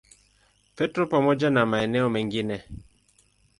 Petro pamoja na maeneo mengine.